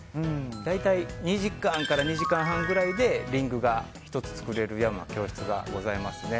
大体２時間から２時間半ぐらいでリングが１つ作れるような教室がございますね。